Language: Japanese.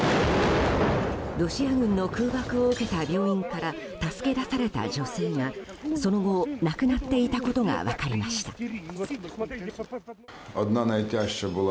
ロシア軍の空爆を受けた病院から助け出された女性が、その後亡くなっていたことが分かりました。